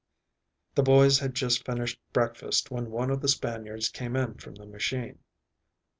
The boys had just finished breakfast when one of the Spaniards came in from the machine.